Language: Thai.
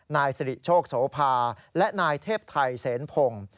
นายสิริโชคโสภาและนายเทพไทยเสนพงศ์